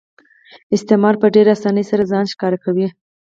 استثمار په ډېرې اسانۍ سره ځان ښکاره کوي